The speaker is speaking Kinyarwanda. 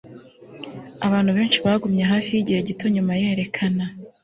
abantu benshi bagumye hafi yigihe gito nyuma yerekana